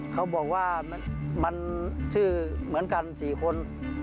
เขาบอกว่ามันชื่อเหมือนกัน๔คน